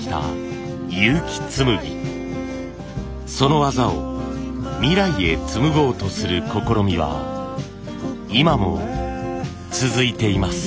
その技を未来へつむごうとする試みは今も続いています。